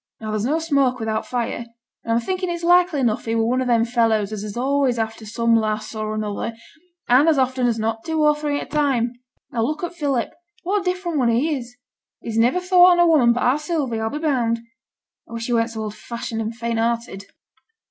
Now there's no smoke without fire, and I'm thinking it's likely enough he were one of them fellows as is always after some lass or another, and, as often as not, two or three at a time. Now look at Philip, what a different one he is! He's niver thought on a woman but our Sylvie, I'll be bound. I wish he wern't so old fashioned and faint hearted.'